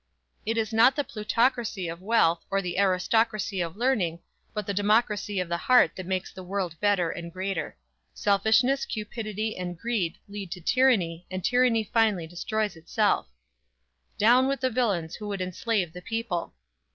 It is not the plutocracy of wealth, or the aristocracy of learning, but the democracy of the heart that makes the world better and greater. Selfishness, cupidity and greed lead to tyranny, and tyranny finally destroys itself. Down with the villains who would enslave the people!